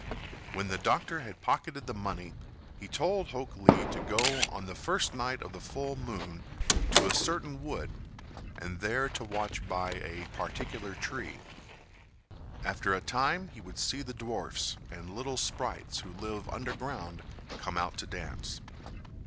When the doctor had pocketed the money he told Hok Lee to go on the first night of the full moon to a certain wood and there to watch by a particular tree. After a time he would see the dwarfs and little sprites who live underground come out to dance.